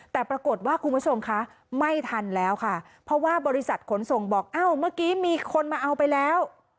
แต่ปรากฏว่าคุณผู้ชมคะไม่ทันแล้วค่ะเพราะว่าบริษัทขนส่งบอกอ้าวเมื่อกี้มีคนมาเอาไปแล้ว